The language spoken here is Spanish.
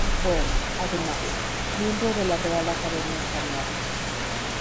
Fue, además, miembro de la Real Academia Española.